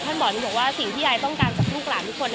ท่านบอกนึงบอกว่าสิ่งที่ยายต้องการจากลูกหลานทุกคน